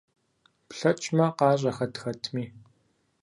ПлъэкӀмэ, къащӀэ хэт хэтми!